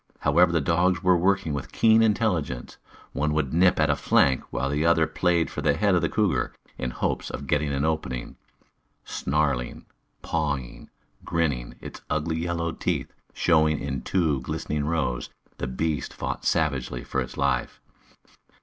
However, the dogs were working with keen intelligence. One would nip at a flank while the other played for the head of the cougar, in hopes of getting an opening. Snarling, pawing, grinning, its ugly yellow teeth showing in two glistening rows, the beast fought savagely for its life.